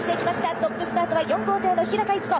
トップスタートは４号艇の日高逸子。